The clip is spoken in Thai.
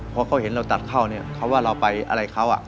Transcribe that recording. พอเขาเห็นเราตัดเข้าเนี่ยเขาว่าเราไปอะไรเขา